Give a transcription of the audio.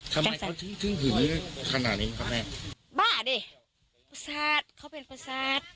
ทำไมเขาถึงทึ่งผืนขนาดนี้ครับแม่บ้าดิประสาทเขาเป็นประสาท